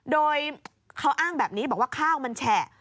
โดยเขาอ้างแบบนี้บอกว่าข้าวมันแฉะ